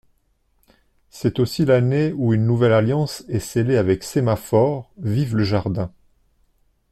C’est aussi l’année où une nouvelle alliance est scellée avec Sémaphor Vive Le Jardin.